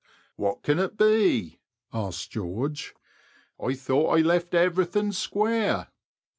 " What can it be ?" asked George ;I though I left everything square.